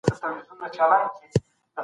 هغوی له ډېر وخته کار کوي.